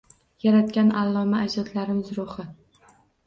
Yaratgan alloma ajdodlarimizning ruhi